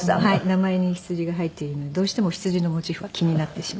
名前にヒツジが入っているのでどうしてもヒツジのモチーフが気になってしまう。